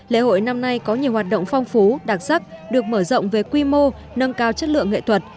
lễ hội năm nay có nhiều hoạt động phong phú đặc sắc được mở rộng về quy mô nâng cao chất lượng nghệ thuật